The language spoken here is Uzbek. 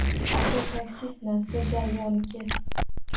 - Aka, taksistman. Sirdaryoniki.